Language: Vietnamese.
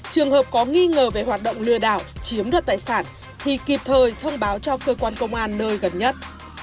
trường hợp có nghi ngờ về hoạt động lừa đảo chiếm đoạt tài sản thì kịp thời thông báo cho cơ quan công an nơi gần nhất